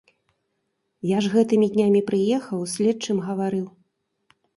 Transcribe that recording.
Я ж гэтымі днямі прыехаў, з следчым гаварыў.